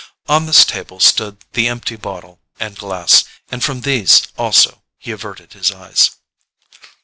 On this table stood the empty bottle and glass, and from these also he averted his eyes.